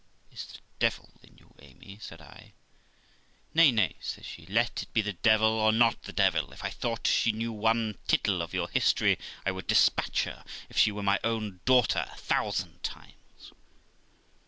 is the devil in you, Amy?' said I. 'Nay, nay', says she, 'let it be the devil or not the devil, if I thought she knew one tittle of your history, I would despatch her, if she were my own daughter, a thousand times.'